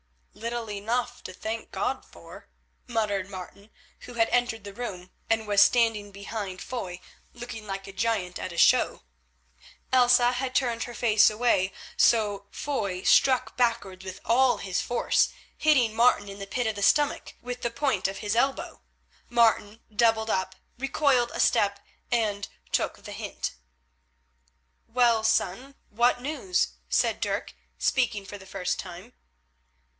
"Little enough to thank God for," muttered Martin, who had entered the room and was standing behind Foy looking like a giant at a show. Elsa had turned her face away, so Foy struck backwards with all his force, hitting Martin in the pit of the stomach with the point of his elbow. Martin doubled himself up, recoiled a step and took the hint. "Well, son, what news?" said Dirk, speaking for the first time.